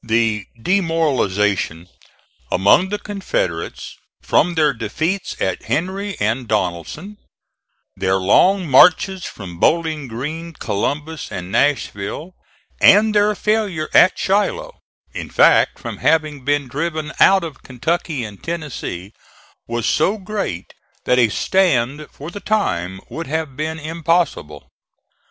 The demoralization among the Confederates from their defeats at Henry and Donelson; their long marches from Bowling Green, Columbus, and Nashville, and their failure at Shiloh; in fact from having been driven out of Kentucky and Tennessee, was so great that a stand for the time would have been impossible.